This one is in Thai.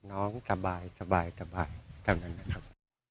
น้องสบายสบายสบายทั้งนั้นนะครับ